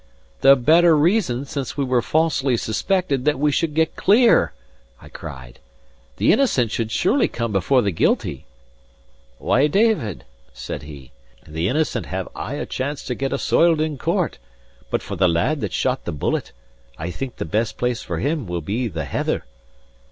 "The better reason, since we were falsely suspected, that we should get clear," I cried. "The innocent should surely come before the guilty." "Why, David," said he, "the innocent have aye a chance to get assoiled in court; but for the lad that shot the bullet, I think the best place for him will be the heather.